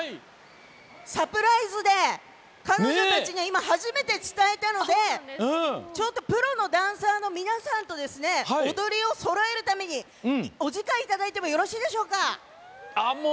サプライズで彼女たちには初めて伝えたのでプロのダンサーの皆さんと踊りをそろえるためにお時間いただいてもよろしいでしょうか。